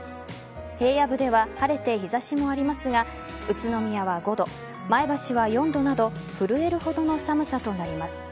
平野部では晴れて日差しもありますが宇都宮は５度前橋は４度など震えるほどの寒さとなります。